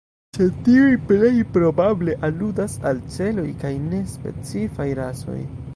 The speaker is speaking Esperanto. Sed tiuj plej probable aludas al celoj kaj ne specifaj rasoj.